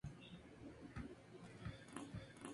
País: Argentina.